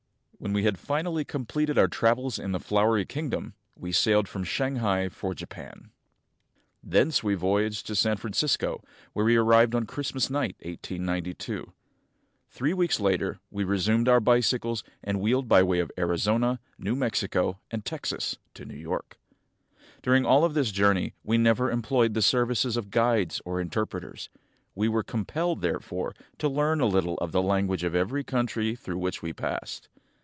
When we had finally completed our travels in the Flowery Kingdom, we sailed from Shanghai for Japan. Thence we voyaged to San Francisco, where we arrived on Christmas night, 1892. Three weeks later we resumed our bicycles and wheeled by way of Arizona, New Mexico, and Texas to New York. During all of this journey we never employed the services of guides or interpreters. We were compelled, therefore, to learn a little of the language of every country through which we passed.